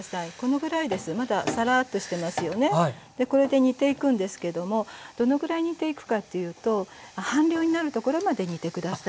これで煮ていくんですけどもどのぐらい煮ていくかっていうと半量になるところまで煮て下さい。